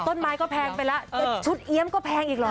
ต้นไม้ก็แพงไปแล้วชุดเอี๊ยมก็แพงอีกเหรอ